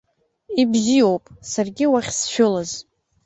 Ибзиоуп, саргьы уахь сшәылаз.